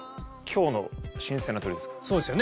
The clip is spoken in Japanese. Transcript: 今日の新鮮な鶏です。